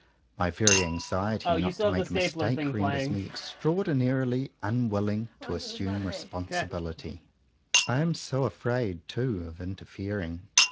My very anxiety not to make a mistake renders me extraordinarily unwilling to assume re sponsibility. I am so afraid, too, of interfering.